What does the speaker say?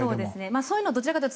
そういうのはどちらかというと